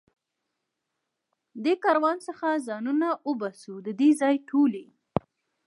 له دې کاروان څخه ځانونه وباسو، د دې ځای ټولې.